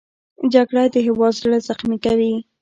جګړه د هېواد زړه زخمي کوي